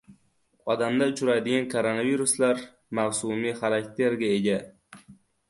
Odamda uchraydigan koronaviruslar mavsumiy xarakterga ega